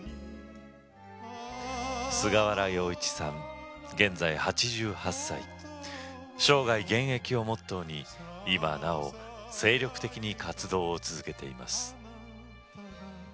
菅原洋一さん、現在８８歳生涯現役をモットーに今なお精力的に活動を続けています。